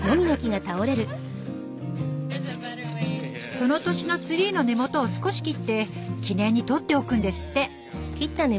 その年のツリーの根元を少し切って記念に取っておくんですって。